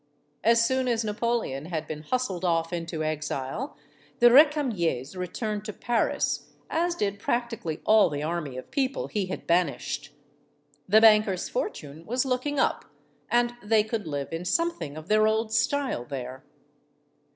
As soon as Napoleon had been hustled off into exile, the Recamiers returned to Paris, as did practically all the army of people he had banished. The banker's fortune was looking up, and they could live in some thing of their old style there.